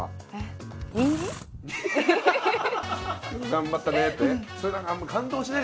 頑張ったねって？